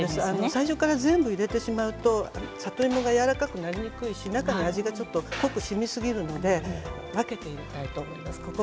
最初から全部入れてしまうと里芋がやわらかくなりにくいし中に味がちょっと濃くしみすぎるので分けて入れたいと思います。